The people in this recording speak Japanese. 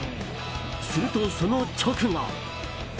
すると、その直後。